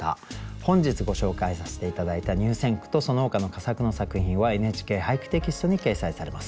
本日ご紹介させて頂いた入選句とそのほかの佳作の作品は「ＮＨＫ俳句」テキストに掲載されます。